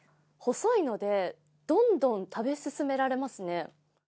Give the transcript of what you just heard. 細いのでどんどん食べ進められますね。